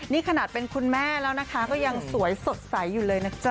นี่ขนาดเป็นคุณแม่แล้วนะคะก็ยังสวยสดใสอยู่เลยนะจ๊